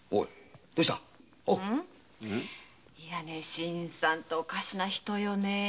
新さんておかしな人よね。